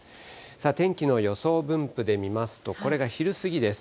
天気の予想分布で見ますと、これが昼過ぎです。